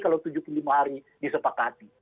kalau tujuh puluh lima hari disepakati